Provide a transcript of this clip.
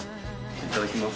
いただきます。